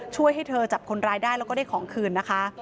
ช่วยให้เธอจับคนร้ายได้แล้วก็ได้ของคืนนะคะ